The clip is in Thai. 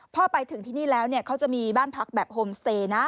พอไปถึงที่นี่แล้วเขาจะมีบ้านพักแบบโฮมสเตย์นะ